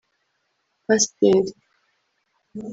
Pasiteri